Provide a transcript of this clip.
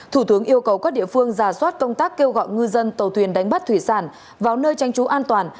thủ tướng yêu cầu các địa phương giả soát công tác kêu gọi ngư dân tàu thuyền đánh bắt thủy sản vào nơi tranh trú an toàn